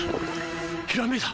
ひらめいた！